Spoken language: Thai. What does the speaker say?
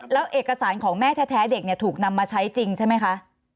แล้วเอกสารของแม่แท้เด็กถูกนำมาใช้จริงใช่ไหมคะ